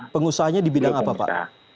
pengusahanya di bidang apa pak